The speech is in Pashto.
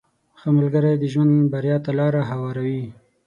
• ښه ملګری د ژوند بریا ته لاره هواروي.